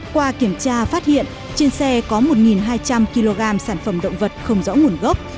qua kiểm tra phát hiện trên xe có một hai trăm linh kg sản phẩm động vật không rõ nguồn gốc